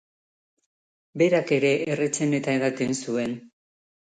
Berak ere erretzen eta edaten zuen.